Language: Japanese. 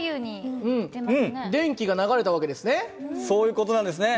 そういう事なんですね。